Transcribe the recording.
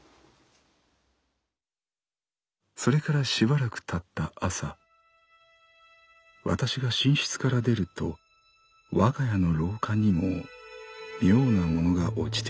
「それからしばらく経った朝わたしが寝室から出ると我が家の廊下にも妙なものが落ちていた。